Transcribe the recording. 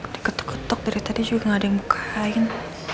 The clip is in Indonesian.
diketuk ketuk dari tadi juga nggak ada yang bukain